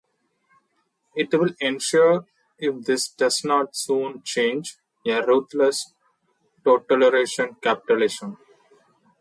It will ensure, if this does not soon change, a ruthless totalitarian capitalism.